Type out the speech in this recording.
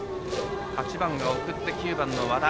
８番が送って９番の和田。